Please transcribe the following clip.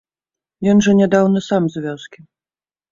Ён жа нядаўна сам з вёскі.